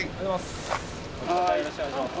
またよろしくお願いします。